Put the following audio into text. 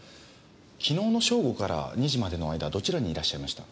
昨日の正午から２時までの間どちらにいらっしゃいました？